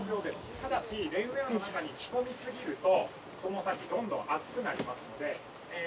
ただしレインウェアの中に着込みすぎるとその先どんどん暑くなりますのでえー